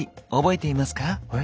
え？